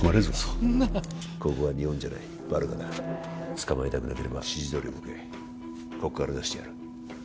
そんなここは日本じゃないバルカだ捕まりたくなければ指示どおり動けこっから出してやる